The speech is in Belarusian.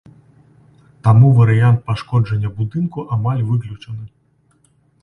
Таму варыянт пашкоджання будынку амаль выключаны.